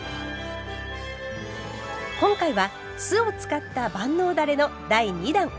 今回は酢を使った万能だれの第２弾。